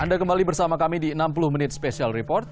anda kembali bersama kami di enam puluh menit special report